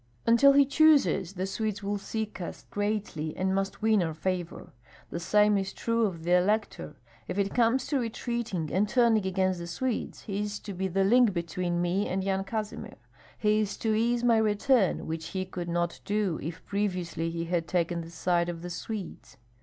"Until he chooses, the Swedes will seek us greatly and must win our favor; the same is true of the elector. If it comes to retreating and turning against the Swedes, he is to be the link between me and Yan Kazimir. He is to ease my return, which he could not do if previously he had taken the side of the Swedes.